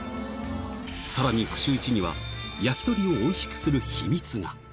さらに、串打ちには焼き鳥をおいしくする秘密が。